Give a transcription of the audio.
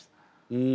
うん。